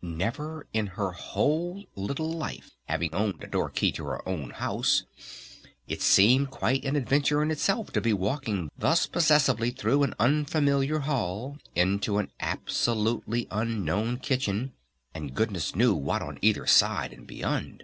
Never in her whole little life having owned a door key to her own house it seemed quite an adventure in itself to be walking thus possessively through an unfamiliar hall into an absolutely unknown kitchen and goodness knew what on either side and beyond.